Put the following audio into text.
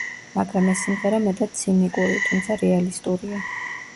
მაგრამ ეს სიმღერა მეტად ცინიკური, თუმცა რეალისტურია.